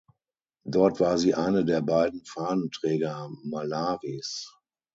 Dort war sie eine der beiden Fahnenträger Malawis.